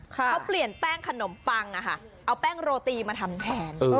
เขาเปลี่ยนแป้งขนมปังเอาแป้งโรตีมาทำแทน